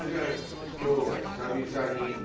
今日は久々に。